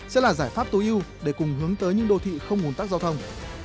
sẽ là giải pháp tối ưu để cùng hướng tới những đô thị không ồn tắc giao thông